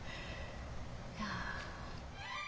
いや。